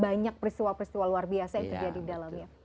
banyak peristiwa peristiwa luar biasa yang terjadi di dalamnya